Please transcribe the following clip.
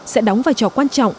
sẽ đóng vai trò quan trọng